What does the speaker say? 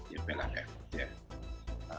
ya pegang ya